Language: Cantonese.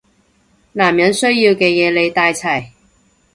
男人需要嘅嘢你帶齊